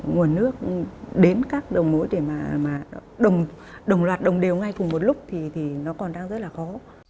nguồn nước đến các đồng mối để mà đồng loạt đồng đều ngay cùng một lúc thì nó còn đang rất là khó